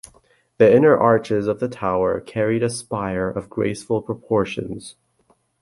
The inner arches of the tower carried a spire of graceful proportions.